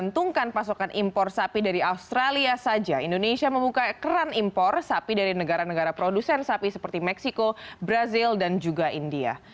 menguntungkan pasokan impor sapi dari australia saja indonesia membuka keran impor sapi dari negara negara produsen sapi seperti meksiko brazil dan juga india